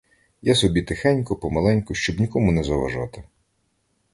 Я собі тихенько, помаленьку, щоб нікому не заважати.